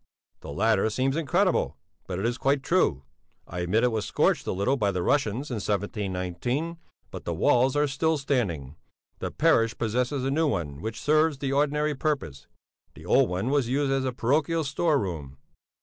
The latter seems incredible, but it is quite true. I admit it was scorched a little by the Russians in 1719, but the walls are still standing. The parish possesses a new one which serves the ordinary purpose; the old one was used as a parochial store room.